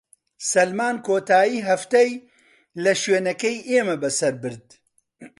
سەلمان کۆتاییی هەفتەی لە شوێنەکەی ئێمە بەسەر برد.